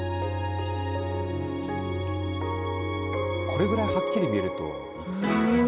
これぐらいはっきり見えるといいですね。